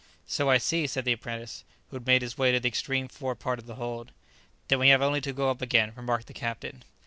"So I see," said the apprentice, who had made his way to the extreme fore part of the hold. "Then we have only to go up again," remarked the captain.